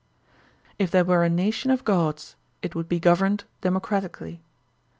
If there were a nation of gods, it would be governed democratically.